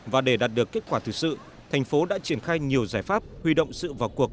và để đạt được kết quả thực sự thành phố đã triển khai nhiều giải pháp huy động sự vào cuộc